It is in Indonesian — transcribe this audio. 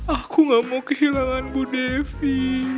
aku gak mau kehilangan bu devi